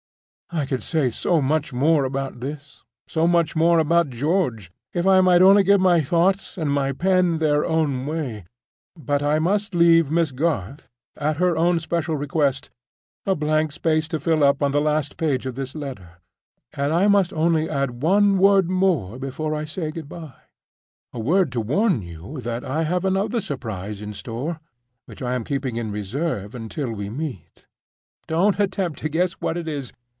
I could say so much more about this, so much more about George, if I might only give my thoughts and my pen their own way; but I must leave Miss Garth (at her own special request) a blank space to fill up on the last page of this letter; and I must only add one word more before I say good by—a word to warn you that I have another surprise in store, which I am keeping in reserve until we meet. Don't attempt to guess what it is.